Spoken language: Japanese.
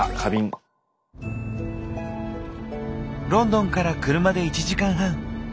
ロンドンから車で１時間半。